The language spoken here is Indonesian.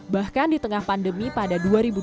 bahkan di tengah pandemi pada dua ribu dua puluh